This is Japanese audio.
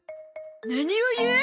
何を言う！